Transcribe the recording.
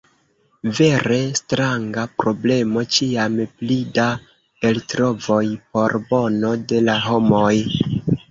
Vere stranga problemo: ĉiam pli da eltrovoj por bono de la homoj.